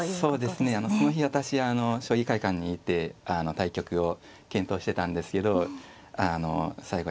そうですねその日私将棋会館にいて対局を検討してたんですけど最後